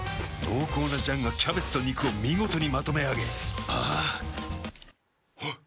濃厚な醤がキャベツと肉を見事にまとめあげあぁあっ。